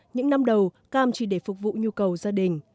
những năm đầu cam chỉ để phục vụ nhu cầu gia đình